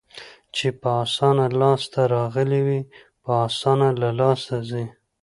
چې په اسانه لاس ته راغلي وي، په اسانه له لاسه ځي.